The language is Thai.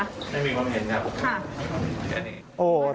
ไม่มีความเห็นครับ